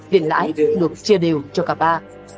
viện lãi được chia đều cho cả ba